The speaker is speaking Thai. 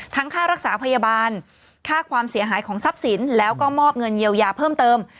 ค่ารักษาพยาบาลค่าความเสียหายของทรัพย์สินแล้วก็มอบเงินเยียวยาเพิ่มเติม